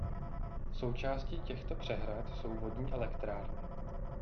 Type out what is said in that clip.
Součástí těchto přehrad jsou vodní elektrárny.